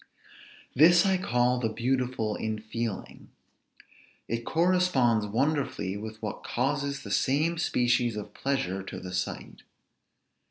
This I call the beautiful in feeling. It corresponds wonderfully with what causes the same species of pleasure to the sight.